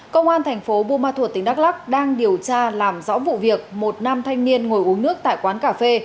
công an thành phố bumathuot tỉnh đắk lắk đang điều tra làm rõ vụ việc một nam thanh niên ngồi uống nước tại quán cà phê